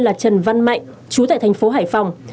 là trần văn mạnh chú tại thành phố hải phòng